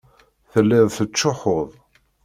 Telliḍ tettcuḥḥuḍ.